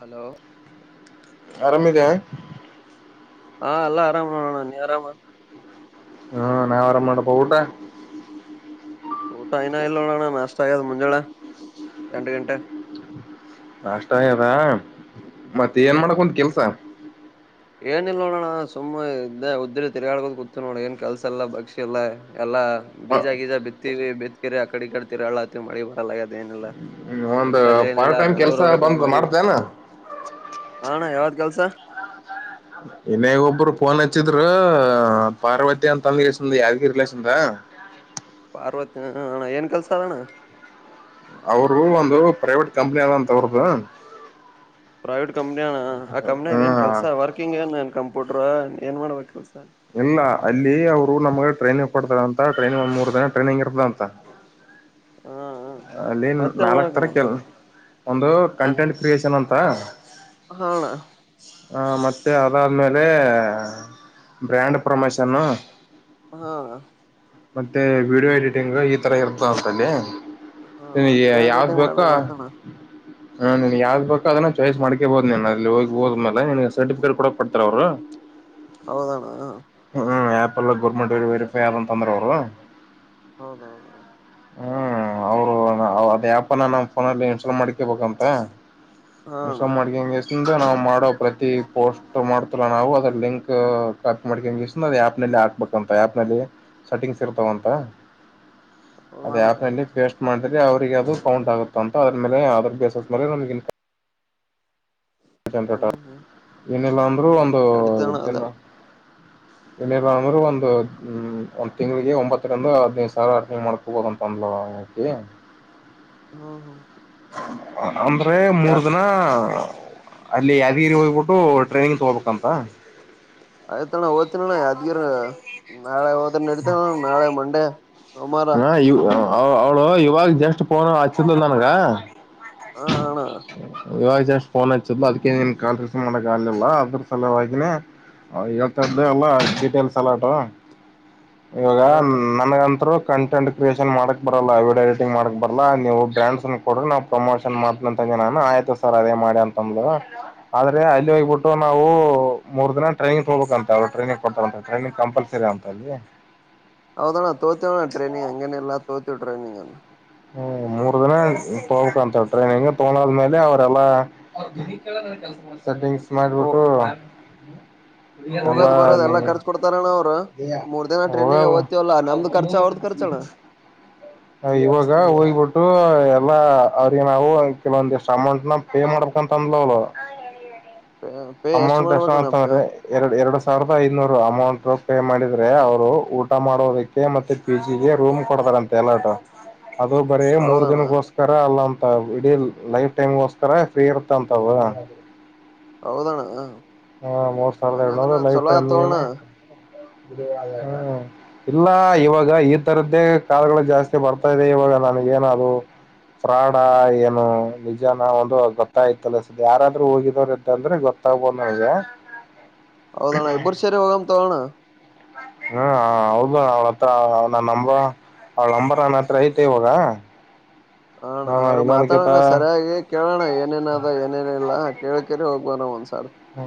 Hello [inaudible] ಹಾ ಎಲ್ಲಾ ಆರಾಮಣಾ ನೀ ಆರಾಮ ಹ್ಮ ನಾ ಅವರಮ್ಮಡೆ ಪಟೆ ಊಟ ಐನ ಎಲ್ಲೋಳಣ ನಷ್ಟ ಆಗದು ಮುಂಜಳೆ ಎಂಟು ಗಂಟೆ ನಷ್ಟಯದ ಮತ್ತೆ ಏನ್ ಮಾಡಕ್ತ ಕೆಲ್ಸ ಏನ ಇಲ್ ನೋಡೋಣ ಸುಮ್ಮ್ ಇದ ಉದ್ದ ತಿರ್ಗಾಡ್ಗೋದ ಕುತ ನೋಡ ಏನ್ ಕೆಲ್ಸ ಇಲ್ಲಾ ಭಕ್ಷಿ ಎಲ್ಲಾ ಎಲ್ಲಾ ಬೀಜ ಬೀಜ ಬಿತ್ತವಿ ಬಿತ್ತಕಿರಿ ಆ ಕಡೆ ಕಡ್ತಿ ಅಳ್ಳತ್ತವಿ ಮಳಿ ಬರಲ್ಲ ಆದ ಏನಿಲ್ಲಲ್ಲ ಒಂದ್ ಕೆಲ್ಸಲ್ಲಿ ಪಾರ್ಟ್ ಏನಿಲ್ಲಾ ಟೈಮ್ ಕೆಲ್ಸ ಬೆಂಗ್ಳೂರ್ ಹಬೇಕಂತ ಬಂದ್ ಮಾಡೀವಿ ಮಾಡ್ತೇನ ಹಣ ಯಾವ ಕೆಲ್ಸ ಇನ್ನಗ ಒಬ್ರು ಫೋನ್ ಹಚ್ಚಿದ್ರ ಪಾರ್ವತಿ ಅಂತಂದಸ ಯಾವಗಿ ರಿಲೇಷನ್ದ ಹ ಅರವತ್ತ ಅಣ್ಣ ಏನ್ ಕೆಲ್ಸ ಅದಣ್ಣ ಅವರು ಒಂದು ಪ್ರೈವೇಟ್ ಕಂಪನಿ ಅದಂತ ಅವ್ರದ್ದ ಪ್ರೈವೇಟ್ ಕಂಪ್ನಿ ಅಣ ಆ ಕಂಪ್ನಿಯಾಗ ಏನ್ ಕೆಲ್ಸ ವರ್ಕಿಂಗ್ ಏನ್ ಏನ್ ಕಂಪ್ಯೂಟರ್ ಏನ್ ಮಾಡ್ಬೇಕಕ್ ಕೆಲ್ಸ ಇಲ್ಲ ಅಲ್ಲಿ ಅವ್ರು ನಮ್ಗೆ ಟ್ರನಿಂಗ್ ಪಡ್ತಾರಂತ ಟ್ರನಿಂಗ ಒಂದ್ ಮೂರು ದಿನ ಟ್ರನಿಂಗ್ ಇರ್ತಂತ ಹೌ ಹಾ ಹಾ ಅಲ್ಲಿ ಮತ್ತೇನ್ ನಾಲ್ಕ್ ತರ ಮಾಡ್ಬೇಕಣ್ಣ ಕೆಲ್ ಒಂದು ಕಂಟೆಂಟ್ ಕ್ರಿಯೇಶನ್ ಅಂತ ಹಣ ಹ ಮತ್ತೆ ಅದಾದ್ಮೇಲೆ ಬ್ರ್ಯಾಂಡ್ ಪ್ರಮೋಷನ್ನು ಹಾ ಮತ್ತೆ ವಿಡಿಯೋ ಎಡಿಟಿಂಗ್ ಈ ತರ ಇರ್ತ ಅಂತಲ್ಲಿ ಹಾ ವಿಡಿಯ ವಿಡಿಯ ಟೈಮ್ ಮಾಡ ಬರ್ತೇನ ಹಾ ನೀನ್ ಯಾವ್ದ್ ಬೇಕು ಅದನ್ನ ಚಾಯ್ಸ್ ಮಾಡ್ಕೇಬೋದು ನೀನ್ ಅಲ್ಲಿ ಹೋಗಿ ಹೋದ್ಮೇಲೆ ನಿ ಸರ್ಟಿಫಿಕೇಟ್ ಕೊಡ ಕೊಡ್ತಾರ ಅವ್ರು ಹೌದಣ್ಣ ಹ ಒಳ್ಳ ಗರ್ಮೆಂಟ್ ವಫ ಆದ ತಂದರರ ಹೌದೌದು ಹ್ಮ್ ಅವ್ರು ಅದ ಆ್ಯಪನ ನಮ್ ಫೋನಲ್ಲಿ ಇನ್ಸ್ಟಾಲ್ ಮಾಡ್ಕೇಬೇಕಂತ ಹಾ ಅಣ್ಣ ಸ ಮಾಡ್ಗಂಗೆಷ್ಟ ನಾವು ಮಾಡೋ ಪ್ರತಿ ಪೋಸ್ಟ್ರ್ ಮಾಡ್ತಲ್ಲ ನಾವು ಅದ್ರ ಲಿಂಕ್ ಕಾಪಿ ಮಾಡ್ಕ ಹಂಗ ಆಪ್ ನಲ್ಲಿ ಹಾಕ್ಬೇಕಂತ ಆಪ್ ನಲ್ಲಿ ಸೆಟ್ಟಿಂಗ್ಸ್ ಇರ್ತಾವಂತ ಓ ಅಣ್ಣ ವೇಸ್ಟ್ ಮಾಡಿದ್ರ ಅವ್ರರಿಗೆ ಅದು ಕೌಂಟ್ ಆಗುತ್ತೆ ಅಂತ ಅದ್ರ ಮೇಲೆ ಅದರ್ ಬೇಸಸ್ ಮೇಲೆ ನಮಗಿಂತ ಟ ಹ್ಮ್ ಹ್ಮ್ ಏನಿಲ್ಲಾ ಅಂದ್ರರು ಹ್ಮ್ ಒಂದು ನಡಿತಣ್ಣ ದಿನ ಅದಣ ಏನರ ಅಂದ್ರರು ಒಂದುಒಂದ್ ತಿಂಗ್ಗಳಿಗೆ ಒಂಬತ್ತರಿಂದ ಹದ್ನದು ಸಾವರ ಅರ್ನನೆ ಮಾಡಕೊಬೋದಂತ ಅಂದ್ ಹಕ ಹ ಹೋ ಅಂದ್ರೆ ಮೂರ್ ದಿನ ಅಲ್ಲಿ ಯಾದಗಿರಿ ಹೋಗ್ಬಿಟ್ಟು ಟ್ರೈನಿಂಗ್ ತಗೋಬೇಕಂತ ಆಯ್ತಣ ಓದ್ತನಣ್ಣ ಯದ್ಗಿರ ನಾಳೆ ಹೋದ ನಡತಣ ನಾಳೆ ಮಂಡೆ ಸೋಮವಾರ ಹಾ ಅವ್ಳು ಇವಾಗ ಜಸ್ಟ್ ಪೋನ ಹಚ್ಚಿದ ನನ್ಗ ಹಾ ಅಣ್ಣ ಇವಾಗ ಅಷ್ಟು ಫೋನ್ ಹಚ್ಚಿದ್ಲು ಅದಕ್ಕೆ ನೀನ್ ಕಾಲ್ ರಸ್ ಮಾಡಕ್ ಆಗ್ಲಿಲ್ಲ ಅದ್ರ ಸಲುವನೇ ಹೇಳ್ತ್ದ ಎಲ್ಲ ಡೀಟೇಲ್ಸ್ ಎಲ್ಲ ಉಟ ಇವಾಗ ಹಾ ಅಣ್ಣ ನನ್ಗಂರು ಕಂಟೆಂಟ್ ಕ್ರಿಯೇಷನ್ ಮಾಡಕ್ ಬರಲ್ಲ ವಿಡಿಯೋ ಎಡಿಟಿಂಗ್ ಮಾಡಕ್ ಬರಲ್ಲ ನೀವು ಬ್ರ್ಯಾಂಡ್ಸ್ ಕೊಡ ನಾವು ಪ್ರಮೋಷನ್ ಮಾಡತಂತ ನಾನು ಆಯ್ತು ಸರ್ ಅದೇ ಮಾಡಿ ಅಂತಂದೆ ಆದ್ರೆ ಅಲ್ಲಿ ಹೋಗ್ಬಿಟ್ಟು ನಾವು ಮೂರು ದಿನ ಟ್ರೈನಿಂಗ್ ತೋಬೇಕ ಅಂತ ಅವಳ ಟ್ರೈನಿಂಗ್ ಕೊಡ್ತಾರ ಅಂತ ಟ್ರೈನಿಂಗ ಕಂಪಲ್ಸರಿ ಜಂತ [inaudible] ಹೌದಣ್ಣ ತೋತವಣ್ಣ ಟ್ರೈನಿಂಗ್ ಹಂಗೇನಿಲ್ಲಲ್ಲ ತೋತವಿ ಟ್ರೈನಿಂಗ್ ಅಲ್ಲ ಹ್ಮ ಮೂರು ತೋಕಂತ ಹಟ್ರೆ ಹಿಂಗ ತಗೊಂಡದ್ಮೇಲೆ ಅವರೆಲ್ಲಾ ಸೆಟಿಂಗ್ಸ್ ಓ ಮಾಡ್ಬಿಟ್ಟ್ ಹೋಗೋದ್ ಬರೋದ ಎಲ್ಲಾ ನ ಖರ್ಚು ಕೊಡ್ತಾರಣ್ಣ ಅವ್ರು ಮೂರ್ ದಿನ ಹೋಗ ಟ್ರೈನಿಂಗ್ ಓದ್ತಿವಲ್ಲಾ ನಮ್ದು ್ಮ ಖರ್ಚ ಅವ್ರದ್ ಖರ್ಚಣ್ಣ [inaudible] ಇವಾಗ ಹೋಗ್ಬಿಟ್ಟು ಎಲ್ಲಾ ಅವ್ರಿಗೆ ನಾವು ಕೆಲವೊಂದಿಷ್ಟ ಅಮೌಂಟ್ ನ ಪೇ ಮಾಡ್ ತಂದಲಲ [inaudible] ಪೇ ಪೇ ಎಷ್ಟ್ ಅಮೌಂಟ್ ಎಷ್ಟ ಮಾಡ್ಬೇಕಣ್ಣ ಪೇ ಮಾಡ್ತಂದ್ರೆ ಎರಡು ಎರಡ್ ಸಾವಿರದ ಐನೂರು ಅಮೌಂಟ್ ಕೈ ಮಾಡಿದ್ರೆ ಅವರು ಊಟ ಮಾಡೋದಕ್ಕೆ ಮತ್ತೆ ಪಿ ಜಿಗೆ ರೂಮ್ ಕೊಡತಾರಂತೆ ಎಲಾಟ ಅದು ಬರೀ ಮೂರ್ ಹೌದಣ್ಣ ದಿನಗೋಸ್ಕರ ಅಲ್ಲ ಅಂತ ಇಡೀ ಲೈಫ್ ಟೈಮ್ಗೋಸ್ಕರ ಫ್ರೀ ಇರತ್ತ ಅಂತವು ಹೌದಣ ಹ ಮೂರ್ ಸಾವಿರದ ಅಂಗದಾನ ಏಳ್ನೂರು ಲೈಫ್ ಚಲೋ ತೋಣ ಟೈಮ್ಗೆ ಇಲ್ಲ ಇವಾಗ ಈ ತರದ್ದೇ ಕಾಲುಗಳು ಜಾಸ್ತಿ ಬರ್ತಾ ಇದೆ ಇವಾಗ ನನಗೇನ ಅದು ಫ್ರಾಡಾ ಏನು ನಿಜಾನ ಒಂದು ಗೊತ್ತಾಯ್ತಲ್ಲ ಸ ಯಾರಾದ್ರು ಹೋಗಿದವ್ರ ಇದ್ದಂದ್ರೆ ಗೊತ್ತ ತವು ಬನ್ನಜ [inaudible] ಹೌದಣ ಇಬ್ಬರು ಸೇರಿ ಹೋಗೋಣ ತಾಗೋಣ ಹ್ಮ ಹೌದು ಅವಳತ್ರ ನನ್ ನಂಬ ಅವಳ ನಂಬರ್ ನನ್ನ ಹತ್ರ ಐತೆ ಇವಾಗ ಆ ಅಣ್ಣ ನಾನು ಅವ್ರು ಇನ್ನೊಂದಕಿತ ಮಾತಾಡೋಣ ಸರಿಯಾಗಿ ಕೇಳೋಣ ಏನೇನ ಅದ ಏನೇನ ಇಲ್ಲ ಹೇಳ್ೆೇ ಹೋಗುವಾರ ಒಂದ [inaudible] ಹ್ಮ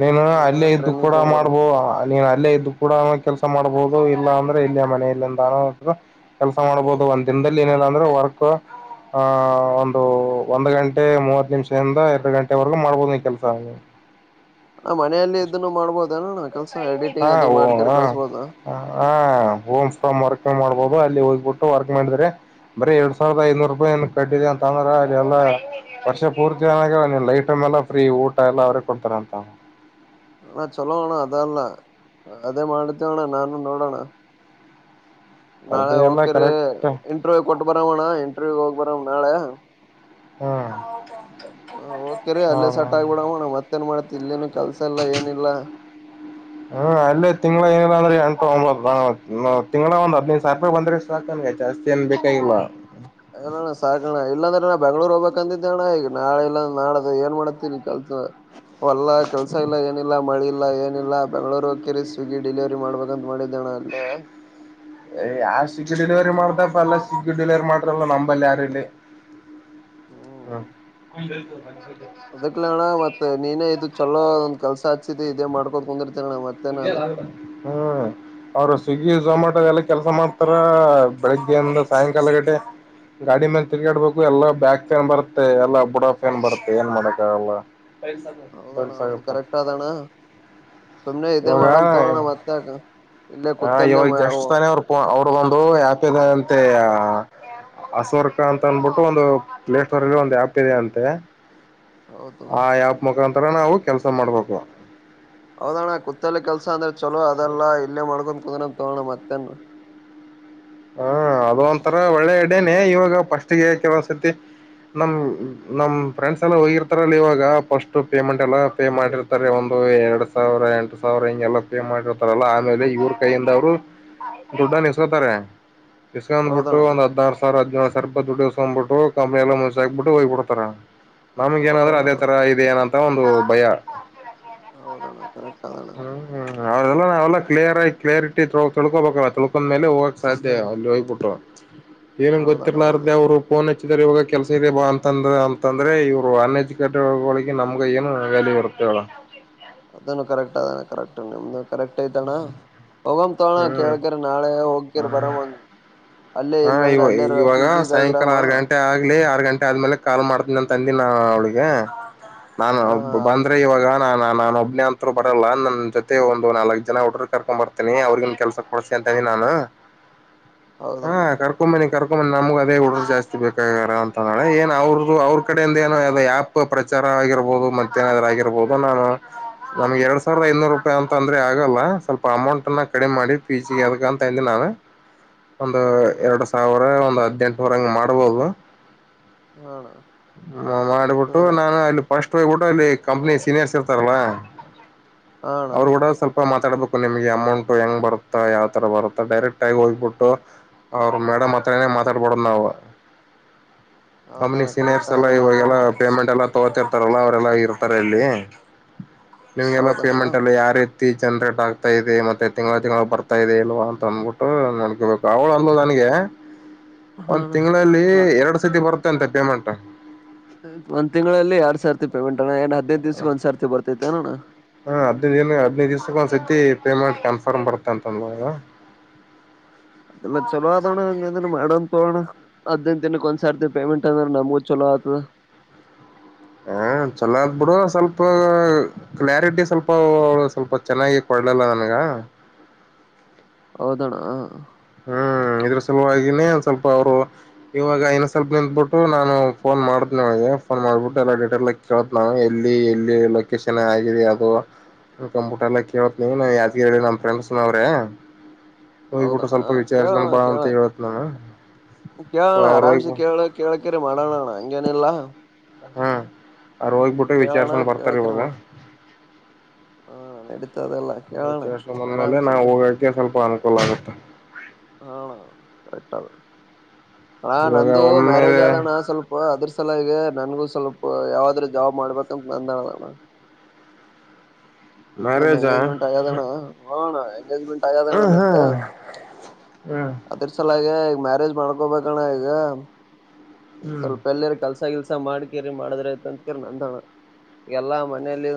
ನೀನು ದಿನ ಅಲ್ಲೇ ಇದ್ದು ಟ್ರೈನಿಂಗ್ ಕೂಡ ತಗೊಂಡ್ ಬರ ಮಾಡ್ಬೋ ನೀನ್ ಅಲ್ಲೇ ಇದ್ದು ಕೂಡ ಕೆಲ್ಸ ಮಾಡ್ಬಹುದು ಇಲ್ಲಾ ಅಂದ್ರೆ ಇಲ್ಲಿಯ ಮನೆಯಲ್ಲಿಂದಾನರು ಕೆಲ್ಸ ಮಾಡ್ಬೋದು ಒಂದ್ ದಿನದಲ್ಲಿ ಏನಿಲ್ಲ ಅಂದ್ರೆ ವರ್ಕ್ ಆಹ ಒಂದು ಒಂದ್ ಗಂಟೆ ಮೂವತ್ತು ನಿಮಿಷದಿಂದ ಎರಡು ಗಂಟೆವರೆಗೂ ಮಾಡ್ಬೋದ ಕೆಲ್ಸ ಹ ನಾ ಮನೆಯಲ್ಲಿ ಇದನ್ನು ಮಾಡ್ಬೋದ ಅನಣ ಕೆಲ್ಸ ಹಾ ಎಡಿಟಿಂಗ್ ಅದು ಓ ಮಾಡ್ಕ ಹ ಕಳಸ್ಬೋದ ಹ ಹೋಮ್ ಫಮ್ ವರ್ಕ್ ಮಾಡ್ಬೋದು ಅಲ್ಲಿ ಹೋಗ್ಬಿಟ್ಟು ವರ್ಕ್ ಮಾಡಿದ್ರೆ ಬರೀ ಎರಡ್ ಸಾವಿರದ ಐದನೂರು ರೂಪಾಯಿ ಏ ಕಟ್ಟಿದೆ ಅಂತ ಅಂದ್ರ ಅಲ್ಲಿಲ್ಲ ವರ್ಷ ಪೂರ್ತಿ ಏ ಲೈಟ ಫ್ರೀ ಊಟ ಎಲ್ಲ ಅವ್ರೇ ಕೊಡ್ತಾರ ಅಂತ ಹ ಚಲೋ ಅಣ್ಣ ಅದಲ್ಲ ಅದೇ ಮಾಡತೇವಣ್ಣ ನಾನು ನೋಡೋಣ ನಾಳೆ ಅದೇ ಎಲ್ಲ ಹೋಗ್ತರಿ ಕರೆಕ್ಟ್ ಇಂಟ್ರವ್ಯೂ ಕೊಟ್ ಬರವಣ ಇಂಟ್ರವ್ಯೂ ಹೋಗ್ ಬರವ ನಾಳೆ ಹ್ಮ ಹ ಹೋಗ್ತರಿ ಅಲ್ಲೇ ಸಟ್ ಆಗ್ಬಿಡಮ್ಮಣ ಮತ್ತೇನ್ ಮಾಡತಿ ಇಲ್ಲಿನು ಕೆಲ್ಸ ಇಲ್ಲಾ ಏನಿಲ್ಲಾ ಹ್ಮ್ ಅಲ್ಲೇ ತಿಂಗಗಳ ಏನಿಲ್ಲ ಅಂದ್ರ ಎಂಟು ಒಂಬತ್ತು ನಾ ತಿಂಗಳ ಒಂದ್ ಹದ್ದು ಸಾವಿ ರೂಪಾಯ ಬಂದ್ರೆ ಸಾಕನ್ಗೆ ಜಾಸ್ತಿ ಏನ್ ಬೇಕಾಗಿಲ್ ಅಲ್ಲಣ್ಣ ಸಾಕಣ ಇಲ್ಲಾಂದ್ರೆ ನ ಬೆಂಗ್ಳೂರ್ ಹೋಗ್ಬೇಕಕ್ಂತಿದ್ದ ಅಣ ಈಗ ನಾಳೆ ಇಲ್ಲ ನಾಳ ಏನ್ ಮಾಡತ್ತ ಕೆಲ್ಸ ಅಲ್ಲಾ ಕೆಲ್ಸ ಇಲ್ಲ ಏನಿಲ್ಲ ಮಳಿ ಇಲ್ಲ ಲ್ಲ ಏನಿಲ್ಲ ಬೆಂಗ್ಗಳೂರು ಹೋಗಕಿರಿ ಸ್ವಿಗ್ಗಿ ಡಿಲಿವರಿ ಮಾಡ್ಬೇಕಂತ ಮಾಡಿದ್ದಣ ಅಲ್ಲೇ ಯ ಯಾ ಸಿಗ್ಗಿ ಡಿಲಿವರಿ ಮಾಡಪ್ಪ ಅಲ್ಲ ಸಿಗ್ಗಿ ಡಿಲಿವರಿ ಮಾಡ್ರಲ್ಲ ನಂಬಲ್ಲಿ ಯಾರಲ್ಲಿ ಹ್ಮ್ ಹ ಅದಕ್ಲ ಅಣ್ಣ ಮತ್ತೆ ನೀನೇ ಇದು ಚಲೋ ಒಂದ ಕೆಲ್ಸ ಹಚ್ಚಿದ ಇದೇ ಮಾಡ್ಕೋತ ಕುಂದಿರ್ತನಣ್ಣ ಮತ್ತೇನ ಅದು ಹ್ಮ್ ಅವ್ರು ಸ್ವಿಗ್ಗಿ ಹ್ಮ್ ಝೊಮಾಟೊ ಎಲ್ಲ ಕೆಲಸ ಮಾಡ್ತಾರೆ ಬೆಳಿಗ್ಗೆ ಅಂದ ಸಾಯಂಕಾಲ ಗಟಡೆ ಗಾಡಿ ಮೇಲೆ ತಿರುಗಾಡ್ಬೇಕು ಎಲ್ಲಾ ಬ್ಯಾಗ ಫ್ಯಾನ್ ಬರ್ತ್ತೆ ಎಲ್ಲ ಬುಡ ಫ್ಯಾನ್ ಬರ್ತ್ತೆ ಏನ್ ಮಾಡಕಲ್ಲ ಹೌದಣ್ಣ ಬಸ ಹೌದು ಪ್ಪ ಕರೆಕ್ಟ್ ಆದಣ್ಣ ಸುಮ್ನೆ ಇದೇ ಇವಾಗ ಮಾಡಮ್ ತಗೋಣ ಮತ್ತ್ಯಾಕ ಇಲ್ಲೇ ಹ ಕುತ್ತಲ್ಲೇ ಇವಾಗ ಜಷ್ಟ ತಾನೆ ಅವ್ರು ಅವರು ಒಂದು ಯಪ ಅಂತೆ ಅಸರ್ಕ ಅಂತ ಅನ್ಬಿಟ್ಟು ಒಂದು ಪ್ಲೇ ಸ್ಟೋರ್ ಅಲ್ಲಿ ಒಂದು ಆಪ್ ಇದೆ ಅಂತೆ ಹೌದು ಆ ಆ್ಯಪ್ ಮುಖಾಂತ ತರ ನಾವು ಕೆಲ್ಸ ಮಾಡ್ಬೇಕು ಹೌದಣ್ಣ ಕುತ್ತಲೆ ಕೆಲ್ಸ ಅಂದ್ರೆ ಚಲೋ ಅದೆಲ್ಲ ಇಲ್ಲೇ ಮಾಡ್ಕೊಂಡ ಮುದನ ತೋಣ ಮತ್ತನ್ ಹಾ ಅದು ಒಂತರ ಒಳ್ಳೆ ಐಟ್ಯಾನೆ ಇವಾಗ ಪಫಸ್ಟ್ಗೆ ಕೆಲವಸತಿ ನಮ್ ನಮ್ ಫ್ರೆಂಡ್ಸ್ ಎಲ್ಲ ಹೋಗಿರ್ತಾರಲ್ಲ ಇವಾಗ ಫಸ್ಟ್ ಪೇಮೆಂಟ್ ಎಲ್ಲ ಪೇ ಮಾಡಿರ್ತಾರೆ ಒಂದು ಎರಡ್ ಸಾವಿರ ಎಂಟು ಸಾವಿರ ಹಿಂಗೆ ಎಲ್ಲ ಪೇ ಮಾಡಿರ್ತಾರಲ್ಲ ಆಮೇಲೆ ಇವ್ರ ಕೈಯಿಂದ ಅವ್ರು ದುಡ್ಡ ನಿಸ್ತಾರೆ ಇಸ್ಕೊಂಡ್ ಬಂದ್ ಬಿಟ್ಟು ಹೌದಣ್ಣ ಒಂದು ಹದೀನಾರುಸಾವಿರ ಹದಿನೇಳು ಸಾವರ ಡ್ ದಿವ್ಬಿಟ್ಟು ಕಂಪ್ನಿ ಎಲ್ಲ ಮುಸ ಹಾಕ್ಬಿಟ್ಟು ಹೋಗ್ಬ ಬಿಡ್ತ ನಮಗೆ ಏನಾದ್ರ ಹೌದಣ್ಣ ಅದೇ ತರದೆ ಏನ ಒಂದು ಭಯ ಹೌದಣ್ಣ ಕರೆಕ್ಟ್ ಅದಣ್ಣ ಹ್ಮ ಹ್ಮ ಅವ್ರಲ್ಲ ನಾವೆಲ್ಲ ಕ್ಲಿಯರ್ ಆಗ ಕ್ಲಿಯರಿಟಿ ತಿಳ್ಕೋಬೇಕಲ್ಲ ತಿಳ್ಕೊಂಡ ಮೇಲೆ ಹೋಗ ಸಾಧ್ಯ ಅಲ್ಲಿ ಹೋಗ್ಬಿಟ್ಟ ಏನನು ಹೌದಣ್ಣ ಗೊತ್ತಿರ್ಲಾರ್ದ ಹೌದೌದು ಅವರು ಪನ ಇವಾಗ ಕೆಲಸ ಇದೆ ಬಾ ಅಂತಂದ ಅಂತಂದ್ರೆ ಇವರು ಅನ್ ಎಜುಕೇಟೆಡ್ಗಳಿಗೆ ನಮ್ಗ ಏನು ವ್ಯಾಲ್ಯೂ ಇರುತ್ತೆ [unintelligible] ಅದನ್ನು ಕರೆಕ್ಟ್ ಅದಾನ ಕರೆಕ್ಟ್ ನಿಮ್ದು ಕರೆಕ್ಟ್ ಐತಣ್ಣ ಹೋಗಮ ತೋಣ ಹ್ಮ್ ಕೇಳ್ಕರ ನಾಳೆ ಹೋಗ್ಕರ್ ಬರಮ್ಮಂಗ ಹಾ ಇವ ಇವಾಗ ಸಾಯಂಕಾಲ ಆರ್ ಗಂಟೆ ಆಗ್ಲಿ ಆರ್ ಗಂಟೆ ಆದ್ಮೇಲೆ ಕಾಲ್ ಮಾಡ್ತನಿ ನ ತಂದಿ ನಾ ಅವಳಿಗೆ ನಾನು ಹಾ ಹಾ ಬಂದ್ರೆ ಆಯ್ತು ಇವಾಗ ನಾನ ನ ಒಬ್ಬನ ಅಂತರು ಬರಲ್ಲ ನನ್ ಜೊತೆ ಒಂದು ನಾಲ್ಕ್ ಜನ ಹಡರು ಕರ್ಕೊಂಡ್ ಬರ್ತೇನಿ ಅವ್ರಿಗನ್ ಕೆಲಸ ಕೊಡ್ಸ ಅಂತನಿ ನಾನು ಹಾ ಹೌದಣ್ಣ ಕರ್ಕೊ ಮನೆ ಕರ್ಕೊಂಡ ನಮಗೆ ಅದೇ ಹುಡ್ರ ಜಾಸ್ತಿ ಬೇಕಾಗಾರ ಅಂತಂದಳೆ ಏನ್ ಅವ್ರ ಅವ್ರ ಕಡೆಯಿಂದ ಏನ ಆ್ಯಪ್ ಪ್ರ ರ ಆಗಿರ್ಬೋದು ಮತ್ತೇನದರ ಆಗಿರ್ಬಹುದು ನಾನು ನಮ್ಗೆ ಎರಡಸಾವಿರದ ಐನೂರು ರೂಪಾಯ ಅಂದ್ರೆ ಆಗಲ್ಲ ಸ್ವಲ್ಪ ಅಮೌಂಟ್ ಅನ್ನ ಕಡಿಮ ಮಾಡಿ ಪಿ ಜಿಗೆ ಅದ ಅಂತಿ ನ ಒಂದು ಹೌದಣ್ಣ ಎರಡು ಸಾವಿರ ಒಂದ್ ಹದ್ನೆಂಟವರ ಹಂಗ ಮಾಡ್ಬೋದು ಹಣ ಹ ಮಾಡ್ಬಿಟ್ಟು ನಡತದಣ್ಣ ನಾನು ಅಲ್ಲಿ ಫಸ್ಟ್ ಕೂಡ ಲ್ಲಿ ಕಂಪನಿ ಸೀನಿಯರ್ಸ್ ಇರ್ತಾರಲ್ಲ ಹಣ ಅವರು ಕೂಡ ಸ್ವಲ್ಪ ಮತ್ ತಡಬೇಕು ನಿಮಗೆ ಅಮೌಂಟ್ ಹೆಂಗ್ ಬರುತ್ತಾ ಯಾವ ತರ ಬರುತ್ತಾ ಡೈರೆಕ್ಟ ಆಗಿ ಹೋಗ್ಬಿಟ್ಟು. ಅವ್ರ ಮೇಡಮ್ ಹತ್ರನೆೇ ಮಾತಾಡ್ಬೋಡದು್ ನಾವ ಕಂಪನಿ ಹೌದಣ್ಣ ಕರೆಕ್ಟ್ ಸಿನಿರ್ಸ್ ಎಲ್ಲ ಅದಣ್ಣ ಇವಾಗೆಲ್ಲ ಮಾತಾಡೋಣ ಪೇಮೆಂಟ್ ಎಲ್ಲ ತಗೋತಿರ್ತಾರಲ್ಲ ಅವರೆಲ್ಲ ಇರ್ತಾರೆ ಅಲ್ಲಿ ನಿಮ್ಗೆಲ್ಲ ಹೌದಣ್ಣ ಪೇಮೆಂಟ್ ಅಲ್ಲಿ ಯಾರೀ ಜನ್ ರೇಟ್ ಆಗ್ತಾ ಇದೆ ಮತ್ತೆ ತಿಂಗಳ ತಿಂಗಳು ಬರ್ತಾ ಇದೆ ಇಲ್ವಾ ಅಂತ ಅಂದ್ಬಿಟ್ಟು ನೋಡಕ ಬೇಕು ರಾವಳ ಅಲ್ಲೋ ನನಗೆ ಒಂದ್ ಹಣ ತಿಂಗಳಲ್ಲಿ ಎರಡ್ ಸತಿ ಬರ್ತ ಎಷ್ಟ ಅಂತೇ ಪೇಮೆಂಟ್ ಒಂದ ತಿಂಗಳಲ್ಲಿ ಎರಡ್ ಸಾವಿರ ತಿಪಂ ಎ ಹದ್ದು ದಿವ್ಸಗೆ ಒಂದ್ಸರ್ತಿ ಬರ್ತೈತೆ ಅನೋಣ್ಣ ಸತಿ ಪೇಮೆಂಟ್ ಕನ್ಫರ್ಮ್ ಬರುತ್ತೆ ಅಂತಂದ ಎಲ್ಲ ಚಲೋ ಆದವಣ್ಣ ಹಂಗಧರ ಮಾಡೋಣ್ ತೋಣ ಹದಿನೈದ ದಿನಕ ಒಂದ್ಸರ್ತಿ ಪೇಮೆಂಟ್ ಅಂದ್ರೆ ನಮಗೂ ಚಲೋ ಆಗ್ತದ ಹ ಚೊಲತಾ ಬೀಡು ಸ್ವಲ್ಪ ಕ್ಲಾರಿಟಿ ಸ್ವಲ್ಪ ಸ್ವಲ್ಪ ಚೆನ್ನಾಗಿ ಕೊ ಕೊಡ್ಲ್ಲ ನನಗೆ ಹೌದಣ ಹ್ಮ್ ಇದ್ರ ಸಲುವಾಗಿನೆ ಒನ್ ಸ್ವಲ್ಪ ಅವರು ಇವಾಗ ಇನ್ನ ಸ್ವಲ್ಪ ನಿಂತತ್ಬಿಟ್ಟು ನಾನು ಫೋನ್ ಮಾಡತನೆ ಅವನಿಗೆ ಫೋನ್ ಮಾಡ್ಬಿಟ್ಟು ಎಲ್ಲ ಡೀಟೇಲ್ ಕೇಳತ್ನ್ ಎಲ್ಲಿ ಎಲ್ಲಿ ಲೊಕೇಶನ್ ಆಗಿದೆ ಅದು ಕಂಪೂಟರ್ ಎಲ್ಲ ಕೇಳತ್ ನೀ ಯಾದ್ಗಿ ಹೇಳತನ್ ನಮ್ಮ ಫ್ರೆಂಡ್ಸ್ ಅವ್ರೆ ಹೋಗ್ಬಿಟ್ಟು ಹೌದಣ್ಣ ಸ್ವಲ್ಪ ವಿಚಾರ್ಸ್ಕೊಂಡ್ ಕೇಳೋಣ ಬಾ ಅಂತ ಕೇಳೋಣ ಹೇಳತ್ ನಾನ ಕೇಳೋಣ ಆರಾಮ್ಸ ಕೇಳ ಕೇಳಕ್ರ ಮಾಡೋಣೋಣ ಹಂಗೇನಿಲ್ಲಾ ಹ್ಮ ಅವರು ಹೋಗ್ಬಿಟ್ಟ ಕೇಳೋಣ ವಿಚಾರ್ಸಗೊಂಡ ಬರ್ತಾರ ಕೇಳಕರಿ ಇವಾಗ ಮಾಡ ಹಾ ನಡೀತದೆಲ್ಲ ಕೇಳೋಣ ವಿಚಷ ಬಂದ್ಮೇಲೆ ಆರಾಮ್ಸೆ ನಾವು ಹೋಗಕ ಸ್ವಲ್ಪ ಅನುಕೂಲ ಆಗುತ್ತೆ. ಹಾ ಅಣ ಕರೆಕ್ಟ್ ಅದ್ ಹ ಇವಾಗ ನಂದು ಮ್ಯಾರೇಜ್ ಒಮ್ಮೆಲೆ ಆದೋಣ ಸ್ವಲ್ಪ ಅದ್ರ ಸಲವಾಗಿ ನನ್ಗೂ ಸ್ವಲ್ಪ ಯಾವಾದ್ರೂ ಜಾಬ್ ಮಾಡ್ಬೇಕಂತ ಬಂದ ಅಣ್ಣ ನಾ ನಂದು ಮ್ಯಾರೇಜಾ ಎಂಗೇಜ್ಮೆಂಟ್ ಆಗ್ಯದಣ್ಣ ಹಾ ಅಣ್ಣ ಎಂಗೇಜ್ಮೆಂಟ್ ಹ ಆಗ್ಯದಣ್ಣ ಹಾ ನಂದು ಹ್ಮ್ ಅದ್ರ ಸಲವಾಗಿ ಈಗ ಮ್ಯಾರೇಜ್ ಮಾಡ್ಕೊಬೇಕಣ ಈಗ ಹ್ಮ್ ಸ್ವಲ್ಪ ಎಲ್ಲಿರ ಕೆಲ್ಸ ಸ ಕೆಲ್ಸ ಮಾಡ ಕೇರಿ ಮಾಡಿದ್ರ ಆಯತ ಅಂತ ಕ ನಂದವಣ ಎಲ್ಲಾ ಮನೆಯಲ್ಲಿ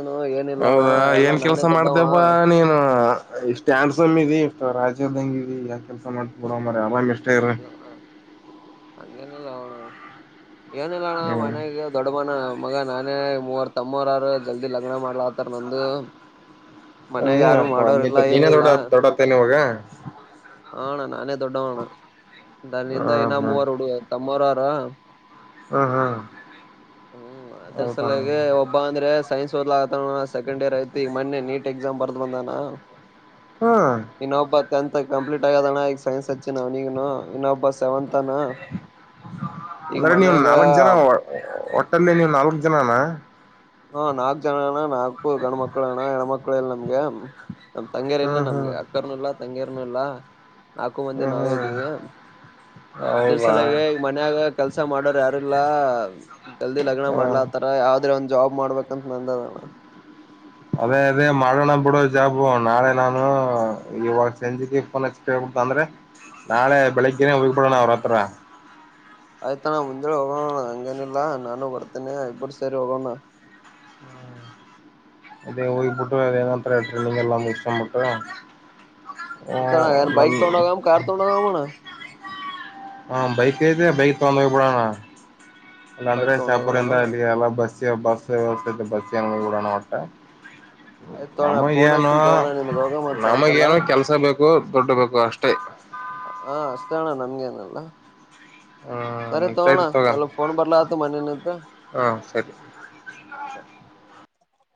ಹೌದಾ ಏನ್ ಕೆಲ್ಸ ಮಾಡ್ತೇಪ್ಪಾ ನೀನು ಇಷ್ಟ ಆಂಡ್ಸಮ್ ಇದಿ ರಾಜ್ಯದಂಗಗೆ ಇ ಯಾಕ ಕೆಲಸ ಮಾಡ್ತ ಬಿಡು ಮಾರಾಯ ಎಷ್ಟ ಅಂಗನ ಲೋಣ ಏನಿಲ್ಲಣ ಹ್ಮ್ ಮನೆಗೆ ದೊಡ್ಡ ಮನ ಮಗ ನಾನೇ ಮೂವರ್ ತಮ್ಮರಾರ ಜಲ್ದಿ ಲಗ್ನ ಮಾಡ್ಲಾತರ್ ನಂದು ಮನೆಗ್ ಯಾರು ಏನಪ್ಪಾ ನೀ ಮಾಡೋರಿಲ್ಲ ನೀನೇ ಏನಿಲ್ಲ ದೊಡ್ಡ ದೊಡ್ಡತ್ತೇನೆ ಇವಾಗ ಹ ಅಣ್ಣ ನಾನೇ ದೊಡ್ಡವಣ್ಣ ನನ್ನಿಂದ ಹ ಇನ್ನ ಮೂವರು ಹುಡು ತಮ್ಮರಾರ ಹ್ಮ್ ಹ್ಮ್ ಹ್ಮ್ ಅದ್ರ ಸಲಗೆ ಒಬ್ಬ ಅಂದ್ರೆ ಸೈನ್ಸ್ ಓದಲ ಆತ ಸೆಕಂಡ್ ಇಯರ್ ಐತಿ ಮೊನ್ನೇ ನೀಟ್ ಎಕ್ಸಾಮ್ ಬರ್ದ ಬಂದಾನ ಹ್ಮ್ ಟೆತ್ ಕಂಪ್ಲೀಟ್ ಆಗದಣ ಈಗ ಸೈನ್ಸ್ ಹಚ್ಚಿ ನ್ಗನು ಇನ್ನೊಬ್ಬ ಸೆವೆಂತ್ ತಾನ ಈಗ ಮನ್ಯಾಗ ಅಲ್ಲಿ ನೀವು ನಾಲ್ಕು ಜನನಾ ಹಾ ನಾಕ್ ಜನ ಅಣ್ಣ ನಾಕು ಗಂಡ ಮಕ್ಳು ಅಣ್ಣ ಹೆಣ್ಮಕ್ಳು ಇಲ್ ನಮ್ಗೆ ನಮ್ ತಂಗ್ಯರ್ ಇಲ್ಲ ಹ್ಮ್ ನಮ್ಗೆ ಹ್ಮ್ ಅಕ್ಕರ್ನು ಇಲ್ಲ ತಂಗಿಯರ್ನು ಇಲ್ಲಾ ನಾಕು ಮಂದಿ ಹ್ಮ್ ನಾವೇ ಹ್ಮ್ ಇದ್ದೀವಿ. ಅದ್ರ ಹೌದಾ ಸಲವಾಗಿ ಈಗ ಮನ್ಯಾಗ ಕೆಲ್ಸ ಮಾಡೋರ್ ಯಾರುಲ್ಲ ಜಲ್ದಿ ಲಗ್ನ ಹ ಮಾಡ್ಲಾ ಆತರ ಯಾವ್ದ್ರೆ ಒಂದ್ ಜಾಬ್ ಮಾಡ್ಬೇಕಂತ ನಂದದಣ ಅದೇ ಅದೇ ಮಾಡೋಣ ಬಿಡೋ ಜಾಬು ನಾಳೆ ನಾನು ಇವಾಗ ಸಂಜಿಕ ಫೋನ್ ಹಚ್ಚಿ ಕೇಳ್ ಂತ ಅಂದ್ರೆ ನಾಳೆ ಬೆಳಿಗ್ಗೆನೆ ಹೋಗ್ಬಿಡೋಣ ಅವ್ರ ಹತ್ರ [inaudible] ಆಯ್ತ ನ ಮುಂದೇಳಿ ಹೋಗೋಣ ಹಂಗೇನಿಲ್ಲಾ ನಾನು ಬರ್ತೇನೆ ಇಬ್ಬರು ಸೇರಿ ಹೋಗೋಣ [inaudible] ಅದೇ ಹೋಗ್ಬಿಟ್ರರು ಅದ ಏನಂತಾರೆ ಟ್ರೈನಿಂಗ್ ಎಲ್ಲ ಇಷ್ಟೊಂಡ್ ಬಿಿಟ್ರ [inaudible] ತ ಬೈಕ್ ತಗೊಂಡು ಹೋಗೋಣ ಕಾರ್ ತಗೊಂಡ್ ಹೋಗೋಣ ಹ ಬೈಕ್ ಐತ ಬೈಕ್ ತಗೊಂಡು ಬಿಡೋಣ ಇಲ್ಲಾ ಅಂದ್ರೆ ಬೈಕ್ ತಗೊಂಡ್ ಹೋಗಣ ಶಾಪುರ್ಂದ ಇಲ್ಲಿ ಎಲ್ಲ ಬಸ್ ಬಸ್ ವ್ಯವಸ್ಥ ಬಸ್ ಯಾನ ಕೂಡಣ ಅಂತ ಆಯ್ತ್ ತಗೋಣ ನಮಗೇ ಫೋನ್ ಏನೋ ಹಚ್ತೀನಿ ತಗೋಣ ನಿನ್ಗ್ ಹೋಗ ಮತ್ ನಮಗೇ ಸಾಯಂಕಾಲ ಏನೋ ಕೆಲ್ಸ ಬೇಕು ಬು ದುಡ್ಡು ಬೇಕು ಅಷ್ಟೇ ಹ ಅಷ್ಟ ಅಣ್ಣ ನಮ್ಗೇನಲ್ಲ ಸರಿ ತಗೋ ಅಣ್ಣಾ ಸ್ವಲ್ಪ ಫೋನ್ ಬರ್ಲಾತತ ಮನಿಲಿಂದ ಹಾ ಸರಿ ಸರಿ